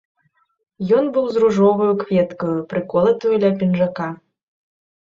Ён быў з ружоваю кветкаю, прыколатаю ля пінжака.